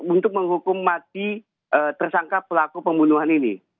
untuk menghukum mati tersangka pelaku pembunuhan ini